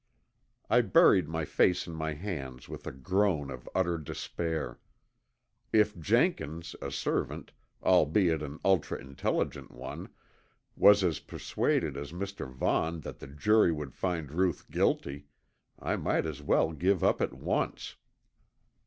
I buried my face in my hands with a groan of utter despair. If Jenkins, a servant, albeit an ultra intelligent one, was as persuaded as Mr. Vaughn that the jury would find Ruth guilty, I might as well give up at once.